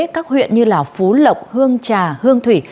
các huyện như lào phú lộc hương trà hương thủy